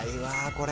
これ。